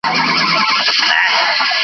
د لېوه بچی کوم چا وو پیدا کړی .